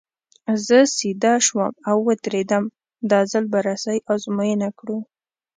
زه سیده شوم او ودرېدم، دا ځل به رسۍ ازموینه کړو.